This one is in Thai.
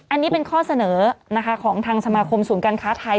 อันนี้เป็นข้อเสนอนะคะของทางสมาคมศูนย์การค้าไทย